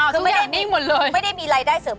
คือไม่มีไรได้เสริม